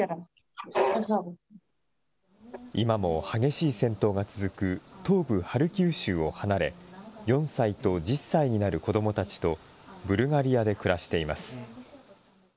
今も激しい戦闘が続く、東部ハルキウ州を離れ、４歳と１０歳になる子どもたちと、ブルガリアで暮らしています。